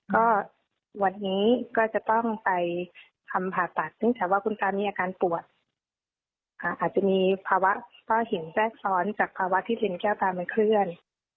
ก็วันนี้ก็จะต้องไปคำผ่าตัดเนื่องจากว่าคุณตามีอาการปวดอาจจะมีภาวะก้อนหินแทรกซ้อนจากภาวะที่เป็นแก้วตามันเคลื่อน